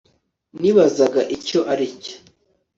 nibazaga icyo aricyo